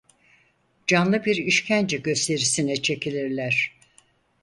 Canlı bir işkence gösterisine çekilirler.